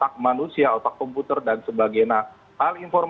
pak banda mempermainkan